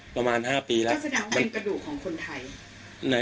ก็แสดงว่าเป็นกระดูกของคนไทย